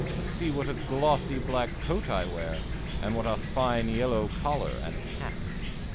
See what a glossy black coat I wear and what a fine yellow collar and hat.